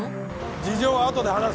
事情は後で話す。